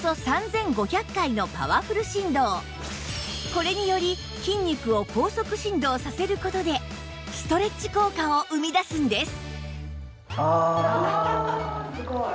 これにより筋肉を高速振動させる事でストレッチ効果を生み出すんです